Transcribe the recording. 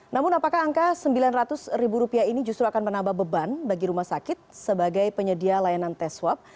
namun apakah angka rp sembilan ratus ini justru akan menambah beban bagi rumah sakit sebagai penyedia layanan tes swab